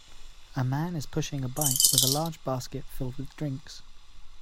A man is pushing a bike with a large basket filled with drinks.